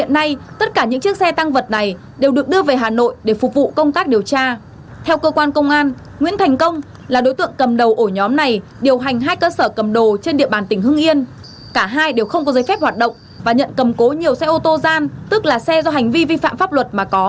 cả hai đều không có giấy phép hoạt động và nhận cầm cố nhiều xe ô tô gian tức là xe do hành vi vi phạm pháp luật mà có